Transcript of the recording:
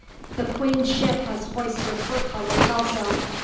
The queen's ship has hoisted her colours also.